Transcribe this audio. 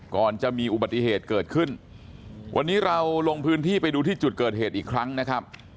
ก่อนจะมีอุบัติเหตุเกิดขึ้นวันนี้เราลงพื้นที่ไปดูที่จุดเกิดเหตุอีกครั้งนะครับ